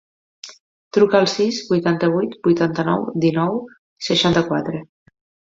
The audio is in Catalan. Truca al sis, vuitanta-vuit, vuitanta-nou, dinou, seixanta-quatre.